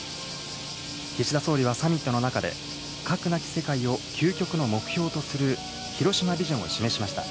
岸田総理はサミットの中で、核なき世界を究極の目標とする広島ビジョンを示しました。